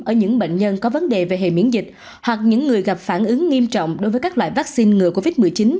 ở những bệnh nhân có vấn đề về hệ miễn dịch hoặc những người gặp phản ứng nghiêm trọng đối với các loại vaccine ngừa covid một mươi chín